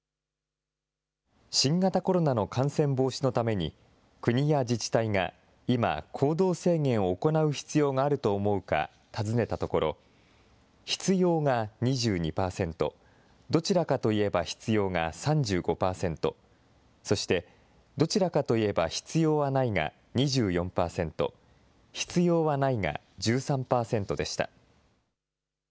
新型コロナの感染防止のために、国や自治体が今、行動制限を行う必要があると思うか尋ねたところ、必要が２２％、どちらかといえば必要が３５％、そして、どちらかといえば必要はないが２４％、必要はないが１３％でした。